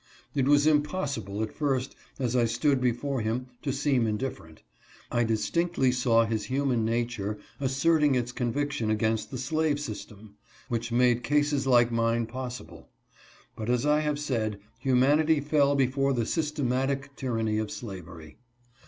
It was impossible, at first, as I stood before him, to seem indifferent. I distinctly saw his human nature asserting its conviction against the slave system, which made cases like mine possible ; but, as I have said, humanity fell before the systematic tyranny of slavery.